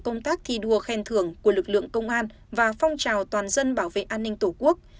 công tác thi đua khen thưởng của lực lượng công an và phong trào toàn dân bảo vệ an ninh tổ quốc